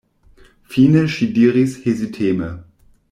Fine ŝi diris heziteme: